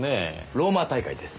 ローマ大会です。